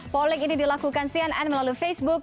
polling ini dilakukan cnn melalui facebook